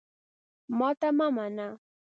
ماته مه منه !